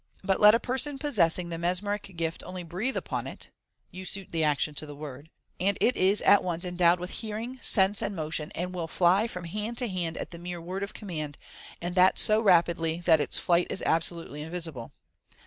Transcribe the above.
But let a person possessing the mesmeric gift only breathe upon it " (you suit the action to the word), " and it is at once endowed with hearing, sense, and motion, and will fly from hand to hand at the mere word of command, and that so rapidly, that its flight is absolutely invisible.